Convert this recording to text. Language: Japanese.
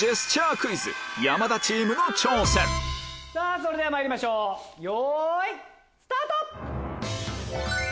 それではまいりましょうよいスタート！